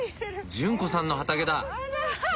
潤子さんの畑だ。